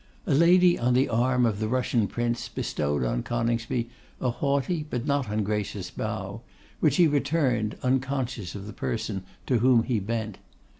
A lady on the arm of the Russian Prince bestowed on Coningsby a haughty, but not ungracious bow; which he returned, unconscious of the person to whom he bent.